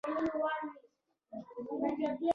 • نړیوالتوب د عصري نړۍ ځانګړنه ده.